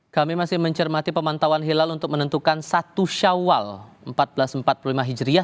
kami masih mencermati pemantauan hilal untuk menentukan satu syawal seribu empat ratus empat puluh lima hijriah